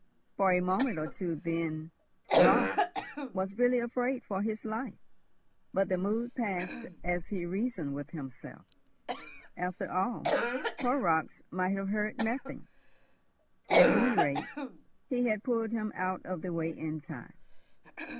For a minute or two then Raut was really afraid for his life, but the mood passed as he reasoned with himself. After all, Horrocks might have heard nothing. At any rate, he had pulled him out of the way in time.